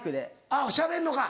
あっしゃべんのか。